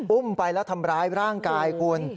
อุ้มไปแล้วทำร้ายร่างกายคุณ